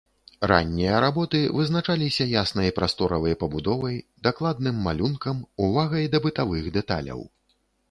Раннія работы вызначаліся яснай прасторавай пабудовай, дакладным малюнкам, увагай да бытавых дэталяў.